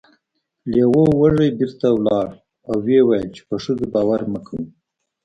لیوه وږی بیرته لاړ او و یې ویل چې په ښځو باور مه کوئ.